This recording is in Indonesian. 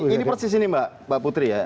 ini persis ini mbak putri ya